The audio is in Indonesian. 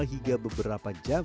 sebelum beberapa jam